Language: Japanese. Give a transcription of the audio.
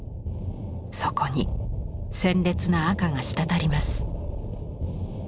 そこに鮮烈な赤が滴ります。